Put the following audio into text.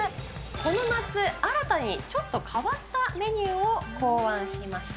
この夏、新たにちょっと変わったメニューを考案しました。